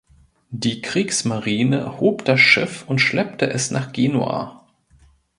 Die Kriegsmarine hob das Schiff und schleppte es nach Genua.